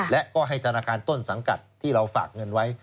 และก็ให้ธนาคารต้นสังกัดที่เราฝากเงินไว้